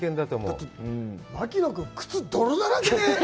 だって、槙野君、靴、泥だらけで。